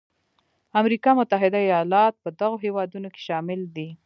امریکا متحده ایالات په دغو هېوادونو کې شامل دی.